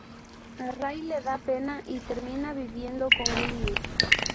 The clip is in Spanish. A Ray le da pena y termina viviendo con Winnie.